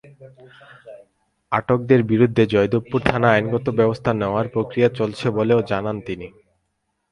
আটকদের বিরুদ্ধে জয়দেবপুর থানায় আইনগত ব্যবস্থা নেওয়ার প্রক্রিয়া চলছে বলেও জানান তিনি।